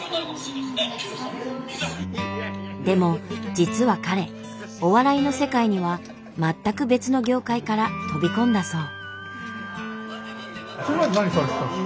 でも実は彼お笑いの世界には全く別の業界から飛び込んだそう。